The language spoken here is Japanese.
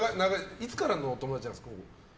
いつからの友達ですか？